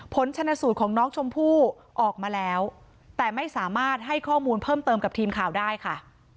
ผลชนสูตรของน้องชมพู่ออกมาแล้วแต่ไม่สามารถให้ข้อมูลเพิ่มเติมกับทีมข่าวได้ค่ะ